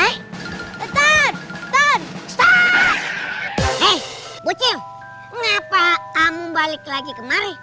hai bucil ngapa kamu balik lagi kemari